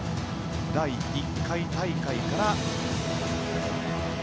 第１回大会から。